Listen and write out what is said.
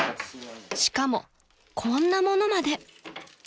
［しかもこんなものまで］